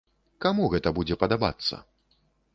Каму гэта будзе падабацца?